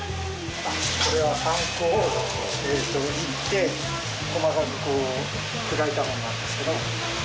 これはパン粉を炒って細かく砕いたものなんですけど。